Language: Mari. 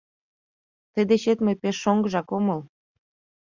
— Тый дечет мый пеш шоҥгыжак омыл.